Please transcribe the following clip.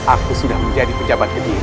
aku sudah menjadi pejabat kediri